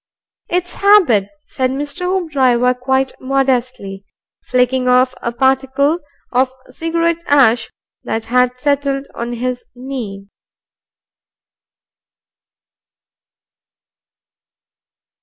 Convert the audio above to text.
"It's habit," said Mr. Hoopdriver, quite modestly, flicking off a particle of cigarette ash that had settled on his knee.